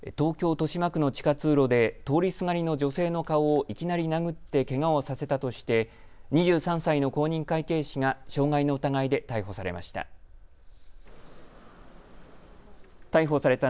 豊島区の地下通路で通りすがりの女性の顔をいきなり殴ってけがをさせたとして２３歳の公認会計士が傷害の疑いで逮捕されました。